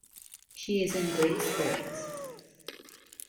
She is in great spirits.